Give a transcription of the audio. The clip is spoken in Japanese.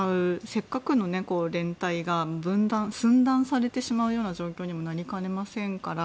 せっかくの連帯が分断、寸断されてしまう状況にもなりかねませんから。